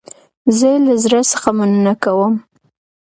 زه له زړه څخه مننه کوم